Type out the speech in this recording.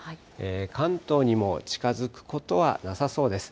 関東にも近づくことはなさそうです。